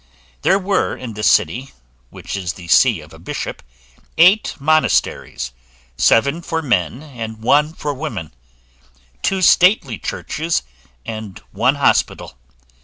There were in this city (which is the see of a bishop) eight monasteries, seven for men, and one for women; two stately churches, and one hospital.